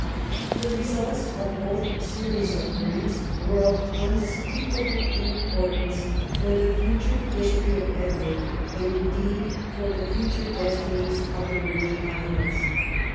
The results of both series of grants Avere of unsjieakable import ance for the future history of Edward, and indeed for the future destinies of the British Islands.